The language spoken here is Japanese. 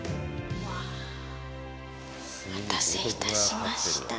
お待たせいたしました。